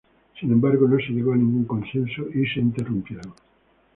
Sin embargo, no se llegó a ningún consenso y se interrumpieron.